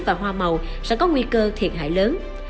và hoa màu sẽ có nguy cơ thiệt hại lớn